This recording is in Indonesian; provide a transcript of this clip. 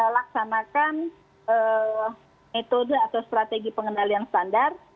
laksanakan metode atau strategi pengendalian standar